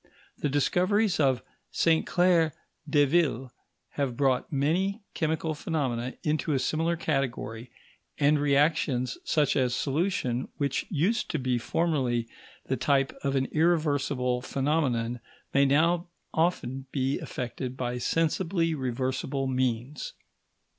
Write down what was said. The discoveries of Sainte Claire Deville have brought many chemical phenomena into a similar category, and reactions such as solution, which used to be formerly the type of an irreversible phenomenon, may now often be effected by sensibly reversible means.